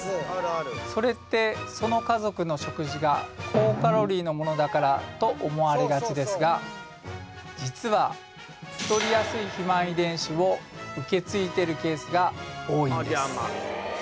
それってその家族の食事が高カロリーのものだからと思われがちですが実は太りやすい肥満遺伝子を受け継いでるケースが多いんです